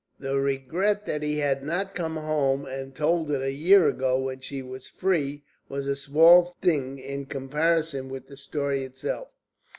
The regret that he had not come home and told it a year ago, when she was free, was a small thing in comparison with the story itself.